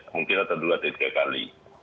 mungkin dua atau tiga kali